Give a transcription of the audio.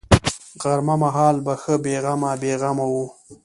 غرمه مهال به ښه بې غمه بې غمه وه.